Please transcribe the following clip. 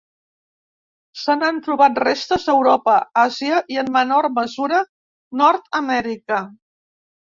Se n'han trobat restes a Europa, Àsia i, en menor mesura, Nord-amèrica.